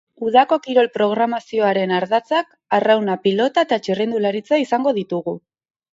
Udako kirol programazioaren ardatzak arrauna, pilota eta txirrindularitza izango ditugu.